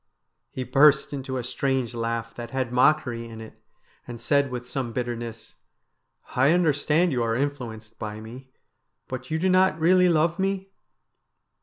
He burst into a strange laugh that had mockery in it, and said with some bitterness :' I understand you are influenced by me, but you do not really love me